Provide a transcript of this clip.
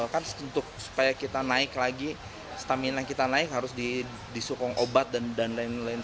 kan supaya kita naik lagi stamina kita naik harus disukong obat dan lain lain